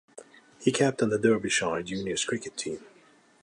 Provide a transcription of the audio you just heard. He captained the Derbyshire Juniors Cricket Team.